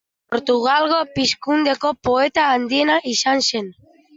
Portugalgo Pizkundeko poeta handiena izan zen.